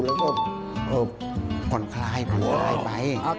แล้วก็อบคนคลายผู้คนคลายไป